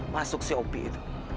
masuk si opi itu